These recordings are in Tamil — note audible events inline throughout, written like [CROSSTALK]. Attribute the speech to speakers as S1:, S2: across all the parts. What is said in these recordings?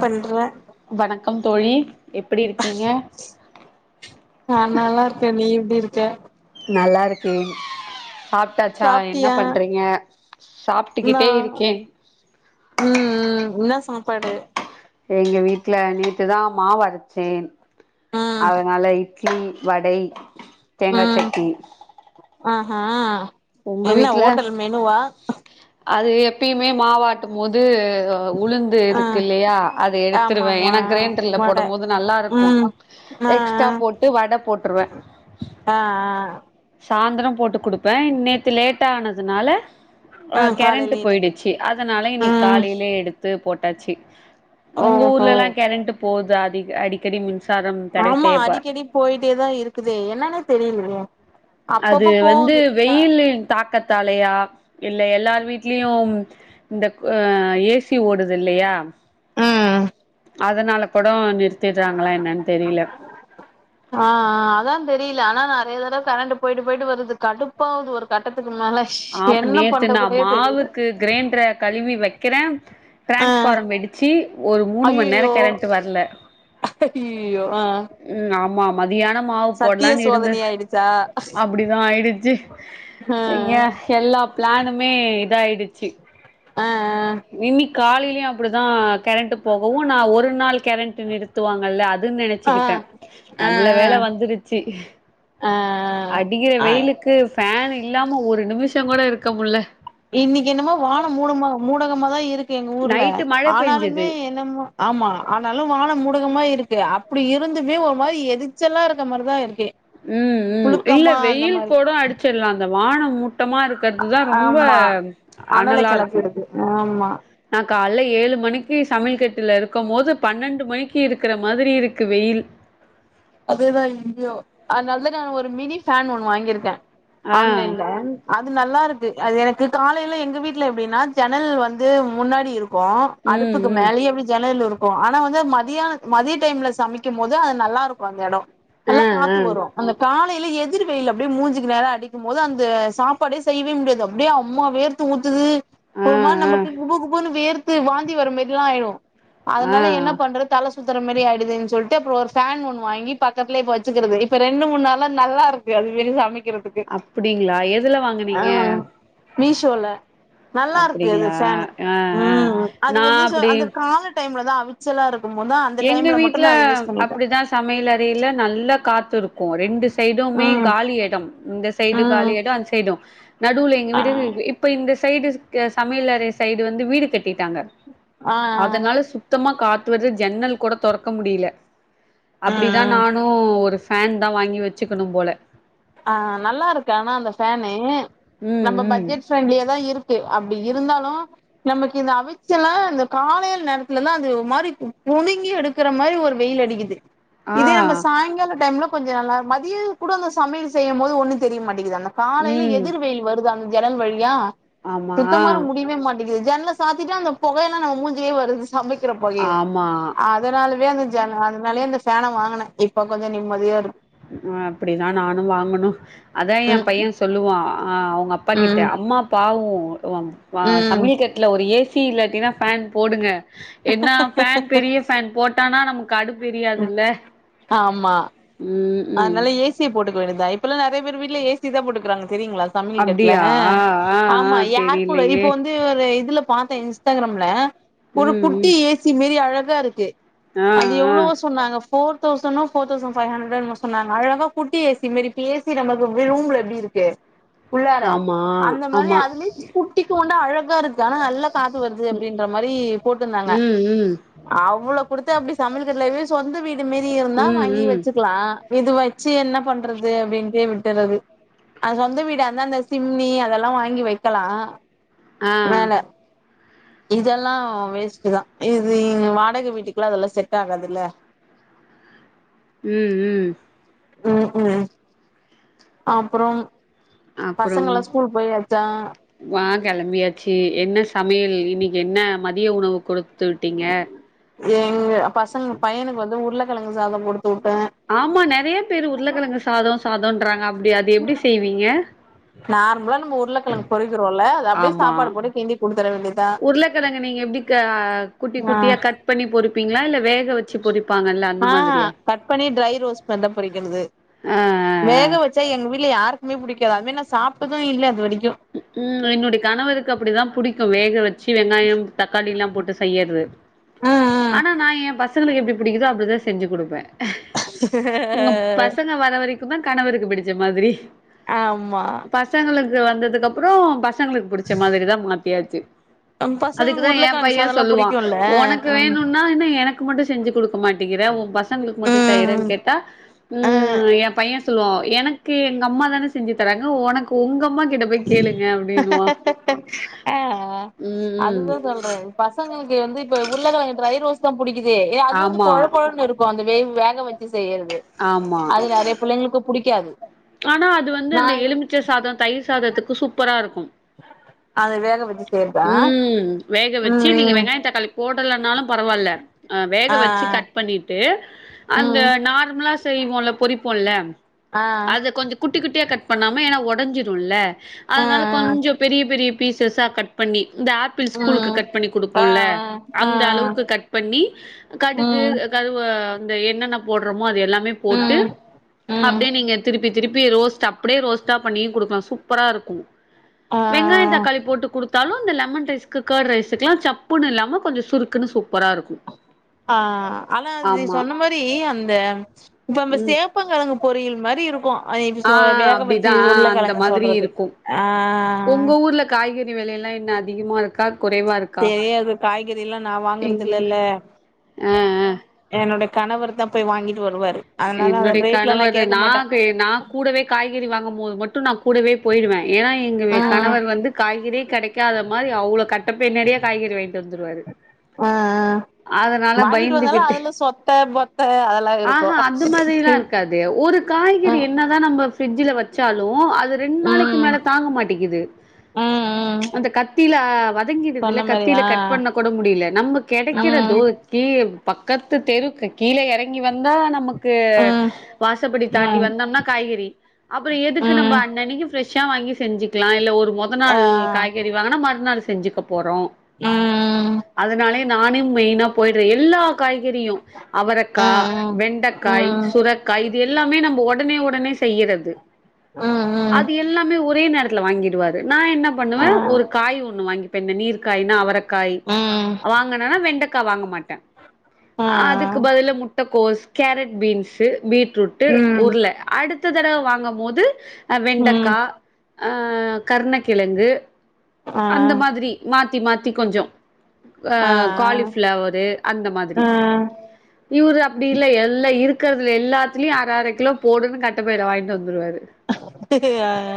S1: பண்ற
S2: வணக்கம் தோழி எப்டி இருக்கீங்க
S1: நா நல்லார்க்க நீ எப்டி இருக்க
S2: நல்லாருக்கே சாப்ட்டாச்சா என்ன
S1: சாப்ட்டியா
S2: பண்றீங்க
S1: நா
S2: சாப்ட்டுக்கிட்டே இருக்கே
S1: ம் ம் என்ன சாப்பாடு
S2: எங்க வீட்ல நேத்துதா மாவரச்சேன்
S1: ம்
S2: அதனால இ ட்லி வடை
S1: ம்
S2: தேங்காச்சட்னி
S1: ஆஹா என்ன ஓட்டல் மெனுவா
S2: அது எப்பயுமே மாவாட்டுமோது உ உளுந்து
S1: ஆ
S2: இருக்கில்லையா அத எடுத்துருவ
S1: ஆமாமா
S2: ஏனா க்ரேண்டர்ல
S1: வட
S2: போடமோது நல்லாருக்கு
S1: ம் ஆ
S2: எக்ஸ்ட்டா போட்டு வட போட்டுர்வ
S1: ஆ ஆ
S2: சாந்தரம் போட்டு குடுப்ப நேத்து லேட்டானதுனால அ
S1: ஆ காலைல
S2: கெரண்ட்டு
S1: இன்னைக்கு
S2: போய்டுச்சு அதனால இன்னிக்
S1: ம்
S2: காலைலே எடுத்து போட் டாச்சி உங்க
S1: ஓஹோ
S2: ஊர்லல்லா கெரண்ட்டு போத் தா அதிக அடிக்கடி முன்
S1: ஆமா அடிக்கடி போயிட்டே தா இருக்குது என்னான்னே தெரியலியே
S2: அது வந்து வெயில்லின் தாக்கத் தாலையா இல்ல எல்லார் வீட்லியு‌ம் இந்த ஹ ஏ சி ஓடுது இல்லையா
S1: அஹ்
S2: அதனால கூட நிறுத்திடுறாங்களா என்னன் தெரில
S1: ஆ கரண்டு போயிட்டு போயிட்டு வருது கடுப்பாவுது ஒரு கட்டத்துக்
S2: ஆமா நேத்து நா
S1: தெரியல
S2: மாவுக்கு கிரேண்டர கலுவி வெக்கிற
S1: ஆ
S2: டிரேன்ஸ்பாரம் வெடிச்சி ஒரு மூணு மண் நேரோ‌
S1: ஐயயோ
S2: கரண்டு வர்ல
S1: ஐயயோ ஆ
S2: ம் ஆமாம் தியானோ மாவு
S1: சத்திய
S2: போட்லான்னு இருந்த
S1: சோதனை ஆயிடுச்சா
S2: அப்டிதா ஆயிடுச்சி
S1: ஆ
S2: இங்க எல்லா பிளானுமே இதாய்டிச்சி
S1: ஆ
S2: இனக் காலையிலயு அப்டிதா கெரண்ட்டு போகவு நா ஒரு நாள் கெரண்ட்டு நிறுத்துவாங்கல்ல அதுன்
S1: ஆ
S2: நெனச்சிக்கிட்ட
S1: ஆ
S2: நல்ல வேல வந்துருச்சி
S1: ஆ
S2: அடிக்கிற
S1: ஆ
S2: வெயிலுக்கு ஃபேன் இல்லாம ஒரு நிமிஷோ கூட இருக்கமுல்ல
S1: இன்னிக்கு என்னமோ வானோ மூடம்மா மூடகமா தா இருக் கு எங்க ஊர்ல
S2: நைட்டு மழ பெஞ்சது
S1: ஆனாலுமே என்னமோ ஆமா ஆனாலு வானோ மூடகமா இருக் இருக்கே அப்டி இருந்துமே ஒர் மாரி எரிச்சலாருக்க மாரிதா இருக்குகே
S2: ம் ம் இல்ல வெயில் குடோ அடிச்சட்லா அந்த வானோ மூட்டமா இருக்கிறது தா ரொம்ப
S1: ஆமா அனல
S2: அனலாருக்கு
S1: கெளப்பிடுது ஆமா
S2: நா கால்ல ஏழு மணிக்கு சமயல்கெட்டுல இருக்கும் போது பன்னெண்டு மணிக்கு இருக்கிற மாதிரி இருக்கு வெயில்
S1: அதனால தா நா ஒரு மினி ஃபேன் ஒன்னு வாங்கிருக்க
S2: ஆ
S1: ஆன்லைன்ல அத் அது நல்லாருக்கு அது எனக்கு காலைல எங்க வீட்டுல எப்டின்னா ஜன்னல் வந்து முன்னாடி இருக் கோ
S2: ம்
S1: அடுப்புக்கு
S2: ம்
S1: மேலயே எப்டி ஜன்னல் இருக் கோ ஆனா வந்து மதியானத் மதிய டைம்ல சமைக்கு போது அது நல்லாருக் கோந்தெடோ
S2: ஆ
S1: நல்லா
S2: ஆ
S1: காத்து வரு அந்த கால் லைல எதிர் வெயில் அப்டியே மூஞ்சிக்கு நேரா அடிக்கும் போது அந்த சாப்பாடே செய்வே முடியாது அப்படியே அம்மா வேர்த்து ஊத்துது
S2: ஆ
S1: ஒர் மாரி
S2: ஆ
S1: நமக்கு குபு குபுன்னு வேர்த் து வாந்தி வர மேரிலா ஆயிடு
S2: ஆ
S1: அதனால என்ன பண்றத் தல ஸ் சுத்தற மேரி ஆயிடுதுன் சொல்ட்டு அப்றோ ஒரு ஃபேன் ஒன்னு வாங்கி பக்கத்துலே இப்ப வச்சுக்குறது இப்ப ரெண்டு மூண் நாள நல்லாருக்கு அது மேரி சமைக்
S2: அப்டிங்களா எதுல வாங்கனீங்க
S1: மீஷோல நல்லா இருக்கு அது ஃபேன்
S2: ஆ ஆ
S1: உம் அது
S2: நா
S1: வந்து
S2: அப்டி
S1: அந்த கால டைம்ல த அவிச்சல இருக்கு
S2: எங்க வீட்டுல அப்படிதா சமையல வெளில நல்ல காத்து இருக்கு ரெண்டு சைடுமே
S1: ம்
S2: காலி எடம் இந்த சைடு
S1: ம்
S2: காலிடம் அந்த சைடு நடுவுல எங்க
S1: ஆ
S2: வீடு இப்ப இந்த சைடு சமையலறை சைடு வந்து வீடு கட்டி ட்டாங்க
S1: ஆ
S2: அதனால சுத்தமா காத்து வருது ஜன்னல் கூட தொறக்க முடியல அப்படிதா
S1: ம் ம்
S2: நானு ஒரு ஃபேன் தான் வாங்கி வச்சுக்கணும் போல
S1: ஆ நல்லா இருக்கு ஆனா அந்த ஃபேனு
S2: ம்
S1: நம்ம
S2: ம்
S1: பட்ஜெட் ப்ரெண்ட்லிய தான் இருக்கு அப்படி இருந்தாலு லு நமக்கு இந்த அவிச்சயெல்லா இந்த காலையல நேரத்துலதான் அது ஒரு மாதிரி புடுங்கி எடுக்கற மாதிரி ஒரு வெயில் அடிக்குது
S2: ஆ
S1: இதே நம்ம சாயங்கால டைம்ல கொஞ்சோ நல்லா மதியம் கூட அந்த சமையல் செய்யம் போது ஒன்னும் தெரிய மாட்டேங்கதுதானே காலையில
S2: ம்
S1: எதிர் வெயில் வருதான் ஜன்னல் வழியா
S2: ஆமா
S1: சுத்தமாரு முடிவே மாட்டங்கிது ஜன்னல சாத்திட்டு அந்த புகையெலா நம்ம மூஞ்சி லேயே வருது சமைக்கற புகைய
S2: ஆமா
S1: அதனாலவே அந்த அதனாலயே இந்த ஃபேனை வாங்கினேன் இப்ப கொஞ்சோ நிம்மதியா இரு
S2: ஆ அப்படிதான் நானும் வாங்கனும் அதான் என்
S1: ம்
S2: பையன் சொல்லுவான் அ வங்க அப்பா கிட்ட
S1: ம்
S2: அம்மா பாவம் ஓ வோவம் வா
S1: ம் ம்
S2: சமையல் கட்டல ஒரு ஏஸ் சி இல்லாட்டனா ஃபேன் போடுங்க என்னா ஃபேன் பெரிய ஃபேன் போ ட்டானா நமக்கு அடுப்பு எரியாதல்ல
S1: ஆமா அனால ஏசிய போட்டுக்க வேண்டிதா இப்பல்லா நெறைய பேர் வீட் ல ஏசி தா போட்டுக்குறாங்க தெரிங்ளா சமய கட்ல
S2: அப்டியா ஆ ஆ
S1: ஆமா ஏர் கூலர்
S2: தெரிலயே
S1: இப்ப வந்து ஒரு இதுல பாத்தே இன்ஸ்டாகிரம்ல ஒரு
S2: ம் ம்
S1: குட்டி ஏசி மெரி அழ காருக்கு
S2: ஆ
S1: அது
S2: ஆ
S1: எவ்ளோவோ சொன்னாங்க ஃபோர் தௌசணோ ஃபோர் தௌஸன் ஃபை ஹன்ட்ரட்னோ சொன்னாங்க அழகா குட்டி ஏசி மரி இப்ப ஏசி நம்ம வே ரூம்ல எப்டி இருக்கு உள்ளார
S2: ஆமா
S1: அந்த மாரி
S2: ஆமா
S1: அதுலய் குட்டிக் ஃபேன்னு டு அழ காருக்கு ஆனா நல்ல காத்து வருது அப்டின்ற மாரி போட்ருந்தாங்க
S2: ம் ம்
S1: அவ்ளோ கொடுத்து அப்டி சமயல் கட்லவி சொந்த வீடு டுமாறி இருந்தா
S2: ம்
S1: வாங்கி
S2: ம்
S1: வச்சுக்லா இது வெச்சு என்ன பண்றது அப்டின்டே விட்டுறது அ சொந்த வீடாருந்தா அந்த சிம்னி அதெல்லா வாங்கி வெக்கெலா
S2: ஆ
S1: இதெல்லா வேஸ்ட்டு தா இது வாடக வீட்டுக்ளா இதெல்லா செட் ஆகாதுல்ல
S2: உம் உம்
S1: உம் உம் அப்றம்
S2: அப்புறம்
S1: பசங்கல்லா ஸ்கூல் போயாச்சா
S2: வா கெளம்பியாச்சு என்ன சமையல் இன்னைக்கு என்ன மதிய உணவு குடு து உட்டிங்க
S1: எங்க பசங்க பையனுக் வந்து உருளக்கெழங்கு சாதொ குடுத்
S2: ஆமா நெறைய பேரு உருளகெழங்கு சாதொ சாதொ ன்றாங்க அப்டி அது எப்டி செய்வீங்க
S1: நார்மலா நம் உருளக்கெழங்கு பொறிகிறோல்ல அத அப்டே
S2: ஆமா
S1: சாப்பாட போட்டு கிண்டி குடுத்தர வேண்டிதா
S2: உருளக்கெழங்க நீங்க எப்டி க
S1: ஆ
S2: பிங்ளா இல்ல வேக வச்சு பொறிப்
S1: ஆஆ கட் பண்ணி ட்ரை ரோஸ்பதா பொறிகிற்து
S2: ஆ ஆ ஆ
S1: வேக வச்சா எங்க வீட்ல யாருக் குமே புடிக்காது அத்மா நா சாப்ட்டது இல்ல இது வரைக்
S2: உம் என்னுடை கணவருக்கு அப்பிடிதா புடிக்கு வேக வெச்சு வெங்காயம் தக்காளில்லாம் போட்டு செய்யறது ஆனா நா ஏ பசங்களுக் எப்டி புடிக்கிதோ அப்டிதா செஞ்சு குடுப்பே உங்க பசங்க வர வரை குந்தான் கனவருக்கு பிடிச்ச மாதிரி
S1: ஆமா
S2: உ வந்தது க்கப்புறம் பசங்களுக்கு புடிச்ச மாதிரி தான் மாத்தியாச்சு
S1: நம் பசங்க
S2: அதுக்குதான் ஏன்
S1: உருளக்கெழங்கு
S2: பையன்
S1: சாதல்லா
S2: சொல்லுவான்
S1: புடிக்குல்ல
S2: ஒனக்கு
S1: ம்
S2: வேணுன்னா என்ன எனக்கு மட்டும் செஞ்சு குடுக்க மாட் த்திர உன் பஸ் த்தங்களுக்கு மட்டும்
S1: ம்
S2: செய்யறேன்னு கேட்டா
S1: அ
S2: உம் எம்ப் பையன் சொல்லுவான் எனக்கு எங்க அம்மா தான செஞ்சு தராங்க ஒனக்கு ஒங்க அம்மா கிட்ட போய்க்
S1: ஆஹ் ஆஹ்
S2: ம் ம்
S1: அதுதான் சொல்றேன் பசங்களுக்கு வந்து இப்ப உருளக்கெழங்கு ட்ரை ரோஸ் தான் புடிக்கும் இதே அது வந்து
S2: ஆமா
S1: கொழகொழனு இருக்கும் அந்த வேவ் வேக வக் ச்சு செய்யற்து
S2: ஆமா
S1: அது நெறைய புள்ளைங்களுக்கு புடிக் க்காது
S2: ஆனா அது வந்து அந்த எலுமிச்ச சாதம் தயிர் சாதத்துக்கு சூப் ப்பரா இருக்கும்
S1: அது வேக வச்சு செய்யறதா
S2: ஊம் வேக
S1: ம்
S2: வெங்கஙஷணீச்சு நீங்க
S1: ம்
S2: வெங்காயொ தக்காளி போட இல்லன்னாலு பரவால்ல ஆ வேக வச்சு கட் பண்ணிட்டு
S1: ஆ
S2: அந்த
S1: ம்
S2: நார்மலா ஸ் செய்வோல்ல பொறிப்போல்ல
S1: ஆ
S2: அது கொஞ்சோ குட் குட்டி குட்டியா கட் பண்ணாம ஏன்னா ஒடஞ்சிருல்ல
S1: ஆ
S2: அதனால
S1: ஆ
S2: கொஞ்சோ பெரிய பெரிய பீசஸா கட் பண்ணி இந்த ஆப்பிள் ஸ்கூலுக்கு
S1: ம்
S2: கட் பண்ணி
S1: ஆ
S2: குடுப்போல்ல
S1: ஆ ஆ
S2: அந்த அளவுக்கு கட் பண்ணி கடுகு
S1: ம்
S2: கருவ இந்த என்னென்ன போட்றோம் மோ அது எல்லாமே போட்டு
S1: ம் ம்
S2: அப்டே நீங்கந் திருப்பி திருப்பி ரோஸ்ட் அப்டே ரோஸ்ட்டா பண்ணியு குடுக்கலா சூப்பரா இருக்கு
S1: ஆ
S2: வெங்காய தக்காளி போட்டு குடுத் தலுன் லெமன் ரைஸ்க்கு கர்ட் ரைஸுக்குல்லா சப்புன்னு இல்லாம கொஞ்சோ சுருக்குன்னு சூப்
S1: ஆ ஆனா அது நீ
S2: ஆமா
S1: சொன்ன மாரி அந்த இப்ப அந்த
S2: ம்
S1: சேப்பங்கழங்கு பொறியல் மாரி இருக்கு அ இது
S2: ஆ
S1: சோ வேக வச்சு
S2: அப்டிதா ஆ அந்த
S1: உருளக்கெழங்கு
S2: மாதிரி
S1: சொல்றது
S2: இருக்கு
S1: ஆ
S2: றி வெலையெல்லா இன்னு அதிகமா இருக்கா குறைவார்க்கா
S1: காய் இது எல்லா நா வாங்குறதுல்லல்ல
S2: ஆ ஆ
S1: என்னோட கணவர் தா போய் வாங்கிட்டு வருவாரு அதனால அத
S2: என்னுடைய
S1: ரேட்லா
S2: கணவர்
S1: கேக்க
S2: நா
S1: மாட்டே
S2: க நா கூடவே காய்கறி வாங்கும் போது மட்டு நா கூடவே போயிருவே ஏனா எங்க வே
S1: ம்
S2: கணவர் வந்து காய்கறி கெடைக்காத மாரி அவ்ளோ கட்ட பை நெரயா காய்கறி வாய்ந்ட்டு வந்துருவாரு
S1: ஆ ஆ
S2: அதனால
S1: வாங்கிட்டு வந்தாலு
S2: பயந்துகிட்டு
S1: அதுல சொத்த பொத்த அதெல்லா
S2: ஆ
S1: இருக்கு
S2: அது மாரிலா இருக்காது ஒரு காய்கறி
S1: ம்
S2: என்னதா நம்ப ஃ பிரிஜ்ல வச்சாலு அத் அது ரெண்டு நாளைக்கு மேல
S1: ம்
S2: தாங்க மாட்டேக்கிது.
S1: ம் ம்
S2: அந்த கத்தியில வதங்கிடுதுல
S1: சொன்ன மாரி
S2: கத்தில
S1: ஆ
S2: கட் பண்ண கூட முடியல நம்ம கெடைக்கிறதோ
S1: ம்
S2: கே பக்கத்து தெருக்கு கீழ எறங்கி வந்தா நம் கு
S1: ம்
S2: வாசப்படி தாண்டி
S1: ம்
S2: வந்தம்னா காய்கறி அப்புறோ எதுக்கு நம்ப
S1: ம்
S2: அன்னனைக்கு ஃபிரஷ் ஷா வாங்கி செஞ்சுக்லா இல்ல ஒரு மொத
S1: ஆ
S2: நாள் காய்கறி வாங்னா மறுநாள் செஞ்சுக்கப் போறோ
S1: ம்
S2: அதனாலேயே நானேம் மெயினா போயிட்ற எல்லா காய்கறியூ அவரக்கா,
S1: ம்
S2: வெண்டக் காய்
S1: ம்
S2: சுரக்காய் இதுயெல்லாமே நம்ப ஒடனே ஒடனே செய்யிறது
S1: ம்
S2: அது எல்லாமே ஒரே நேரத்ல வாங்கிடுவாரு நா என்ன பண்ணுவே ஒரு காய் ஒன்னு வாங்கிப் ப இந்த நீர் காய்னா அவரக் காய்
S1: ம் ம் ஆ ம்
S2: வாங்கனனா வெண்டக் கா வாங்கமாட்டே
S1: ஆ
S2: அதுக்கு பதிலா முட்டக் கோஸ் கேரட் பீன்ஸு பீட் ரூட்டு
S1: ம்
S2: உருள அடுத் த தடவ வாங்கம் போது அ
S1: ம்
S2: வெண்டக்கா ஆ கருணக்கிழங்கு
S1: ஆ
S2: அந்த மாரி மாத் த்தி மாத்தி கொஞ்சோ ஆ காலிஃப்ளவரு அந்த
S1: ஆ
S2: மாத்ரி இவுரு அப்டில்ல எல்லா இருக் க்கறதுல எல்லாத்லயூ அர அர கிலோ போடுன்னு கட்டப்பைல வாங்கிட்டு வந்துருவாரு
S1: ஆஆ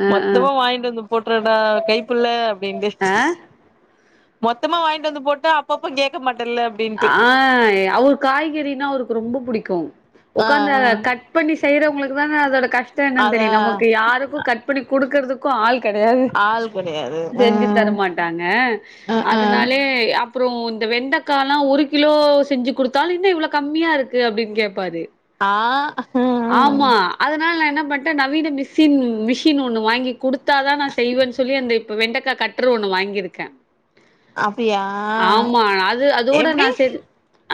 S2: ஆ
S1: மொத்தமா வாங்கிட்டு வந்து போட்டுர்டா கைப்பு ள்ள அப்படின்டு
S2: ஆ ஆ
S1: மொத்தமா வாங்கிட்டு வந்து போட்டா அப்பப்ப கேக்க மாட்
S2: ஆ அவுரு காய்கறினா அவுருக் ரொம்போ புடிக்கூ
S1: ஆ
S2: ஒக்காந்த
S1: ஆ
S2: கட் பண்ணி செய்யற உங்களுக்கு தானே அதோட க ஷ்டோ என்னன்
S1: அதா
S2: தெரியூ நமக்கு யாருக்கூ கட் பண்ணி குடுக் கிறதுக்கூ ஆள் கெடையாது
S1: ஆள் கெடையாது ஆ
S2: செஞ்சு தரமாட்டாங்க
S1: ஆ ஆ
S2: அதுனாலே அப் அப்றோ இந்த வெண்டக் காலா ஒரு கிலோ செஞ்சு குடுத்தாலூ என்ன இவ்ளோ கம்மியாருக்கு அப்டின் கேப்பாரு
S1: ஆ
S2: ஆமா அத்னால நா என்னப் மட்ட நவீன மிஷின் மிஷின் ஒன்னு வாங்கி குடுத்தாதா நா செய்வேன் சொல்லி அந்த இப்ப வெண்டக்கா கட்டுரு ஒன்னு வாங்கிருக்கே
S1: அப்டியா
S2: ஆமா அது அத் கூட நா
S1: எப்டி
S2: சேது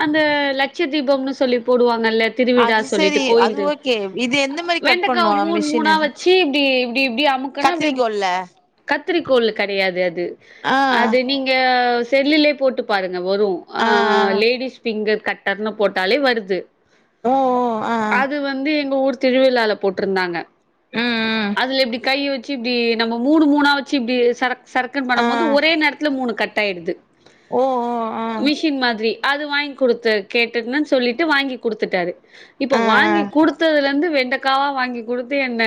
S2: அந்த லட்ச தீபம்னு சொல்லி போடுவாங்க நல்ல திருவிடா
S1: அது
S2: சொல்லிட்டு
S1: செரி
S2: கோயில்
S1: அது ஓகே இது எந்த மாரி கட்
S2: வெண்டக்காவ
S1: பண்ணு
S2: மூணு மூணா
S1: மிஷினு
S2: வச்சு இப்படி ப்படி எப்படி அமுக்கனா எப்டி கட்
S1: கத்திரிக்கோல்ல
S2: காத்திரி கோள் கிடையாது
S1: ஆ
S2: அது நீங்க செல்லிலே போட்டு பாருங்க வரு
S1: ஆ ஆ
S2: அஹலேடீஸ் பிங்கர் கட்டர்னு போட்டாலே வருது
S1: ஓ ஓ ஆ
S2: அது வந்து எங்க ஊ திருவிழால போட்டிருந்தாங்க
S1: ம் ம்
S2: அதுல எப்படி கை வச் இப்படி நம்ம மூணு மூணா வச்சு இப்படி சர சர்கக்குன்ன
S1: ஆ
S2: பண்ணபோது ஒரே நேரத்தில் மூணு கட்ட டையிடுது
S1: ஓ ஓ ஆ
S2: மிஷின் மாதிரி அது வாங்கி கொடுத்த கேட்டேன் சொல்லிட்டு வாங்கி குடுத்துட்டாரு இப்ப
S1: ஆ ஆ
S2: வாங்கி கொடுத்ததுல இருந்து வெண்ட காவா வாங்கி கொடுத்து என்ன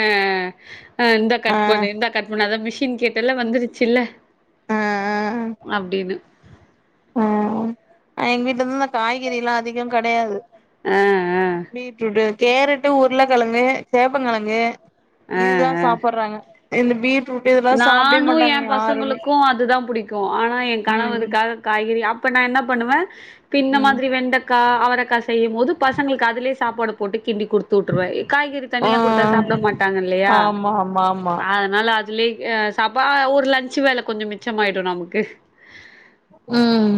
S2: இந்த
S1: ஆ
S2: கட்பண்ணுகட் பண்ணு அதுதா மிஷன் கேட்ட எல்லாம் வந்துருச்சுல்ல
S1: ஆ ஆ
S2: அப்படின்னு
S1: ஆ எங்க வீட்டுல இருந்து இந்த காய்கறி எல்லாம் அதிகம் கிடையாது
S2: ஆ ஆ
S1: பீட் ரூடூ கேரட்டு உருளைக்கிழங்கு சேப்ப கிழங்கு இதுதா சாப்படுறாங்க இந்த பீட்டு
S2: நானும் என் பசங்களுக்கும் அதுதா புடிக்கும் ஆனா என்
S1: ம்
S2: கணவுதுக்காக காய்கறி நா என்ன பண்ணுவே பின்ன
S1: ம்
S2: மாதிரி வெண்ட அவரைக்க செய்யும் போது பசங்களுக்கு அதுலயே சாப்பாடு போட்டு கிண்டி குடுத்து விட்டுருவேன் காய்கறி
S1: ஆ
S2: தனியா கொடுத்தா சாப்பிட மாட்டாங்க இல்லையா
S1: ஆமா ஆமா ஆமா
S2: அதனால அது சாப்பா ஒருலன்சு வேலை கொஞ்சம் மிச்சமிடும் நமக்கு
S1: உம்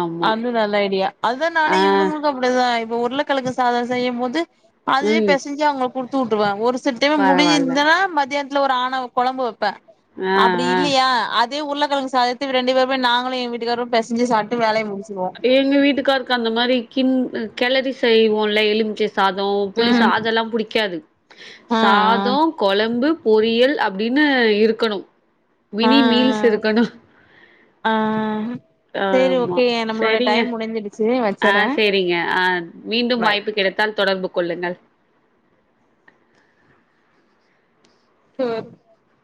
S2: ஆமா
S1: அது நல்ல ஐடியா அதுதா நானே
S2: ஆ
S1: இவனுங்களுக்கு அப்படிதா இப்போ உருளைக்கழக்கு சாதோ செய்யு போது அதுவே
S2: ம்
S1: பெசைஞ்சு அவங்க குடுத் துட்டுருவன் ஒருஸ் செட்டு
S2: பரவால்ல
S1: முடிந்திருசுன மதியான ல ஒரு ஆணவ கொழம்பு வெப்ப
S2: ஆ
S1: அப்டி
S2: ஆ
S1: இல்லையா அது ந்து உருளக்கெழுங்க சாதத்த இவங்க இரண்டு பேரும் நாங்க எ வீட்டுக்கார பேசஞ்சு சாப்பிட்டு வேலய முடிய
S2: எங்க வீட்டுக்காருக்கு அந்த மாதிரி கின் கேலரி செய்வோன்ல எலுமிச்ச சாதோ புளி
S1: ம்
S2: சாதோ எல்லா புடிக்காது
S1: ஆ
S2: சாதோ கொழம்பு பொறியியல் அப்டின்னு இருக்கணு மினி மீல்ஸ்
S1: ஆஹ்ஹ்
S2: இருக்கணு
S1: ஆஹ் செரி ஓகே நம்மளோட
S2: செரிங்க
S1: டைம் முடிஞ்சிடுச்சு வச்சறே
S2: ஆஹ் செரிங்க ஆஹ் மீண்டும்
S1: பாய்
S2: வாய்ப்பு கிடைத்தால் தொடர்பு கொல்லுங்கள்
S1: [UNINTELLIGIBLE]